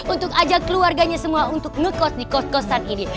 untuk ajak keluarganya semua untuk ngekot di kos kosan ini